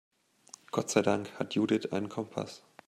Gott sei Dank hat Judith einen Kompass.